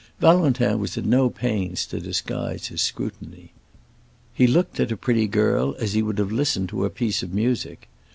Valentin was at no pains to disguise his scrutiny. He looked at a pretty girl as he would have listened to a piece of music.